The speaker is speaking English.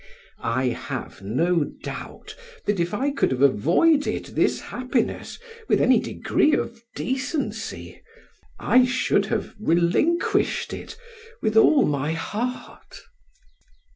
I have no doubt that if I could have avoided this happiness with any degree of decency, I should have relinquished it with all my heart.